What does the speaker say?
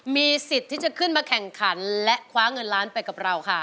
มีสิทธิ์ที่จะขึ้นมาแข่งขันและคว้าเงินล้านไปกับเราค่ะ